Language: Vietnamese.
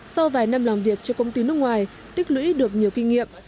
sau vài năm làm việc cho công ty nước ngoài tích lũy được nhiều kinh nghiệm